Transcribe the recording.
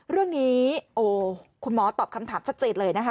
เรื่องนี้โอ้คุณหมอตอบคำถามชัดเจนเลยนะคะ